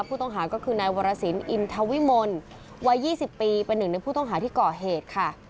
ผู้ต้องหาก็คือนายวรสินอินทวิมลวัย๒๐ปีเป็นหนึ่งในผู้ต้องหาที่ก่อเหตุค่ะ